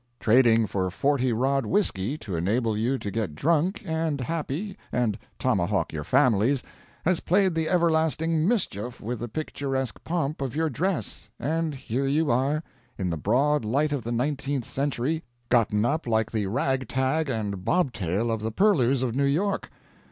Trading for forty rod whisky, to enable you to get drunk and happy and tomahawk your families, has played the everlasting mischief with the picturesque pomp of your dress, and here you are, in the broad light of the nineteenth century, gotten up like the ragtag and bobtail of the purlieus of New York.